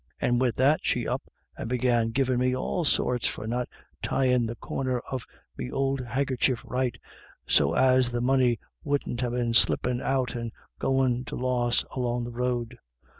And wid that she up and began givin' me all sorts for not tyin' the corner of me ould hankycher right, so as the money wouldn't ha* been slippin' out an' goin* to loss along the road.